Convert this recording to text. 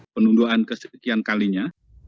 penundaan kesekian kalinya